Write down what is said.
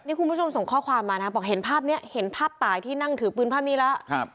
คุณผู้ชมส่งข้อความมานะบอกเห็นภาพนี้เห็นภาพตายที่นั่งถือปืนภาพนี้แล้ว